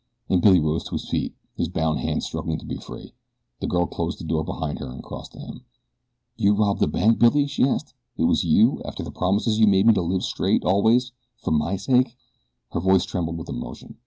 and Billy rose to his feet, his bound hands struggling to be free. The girl closed the door behind her and crossed to him. "You robbed the bank, Billy?" she asked. "It was you, after the promises you made me to live straight always for my sake?" Her voice trembled with emotion.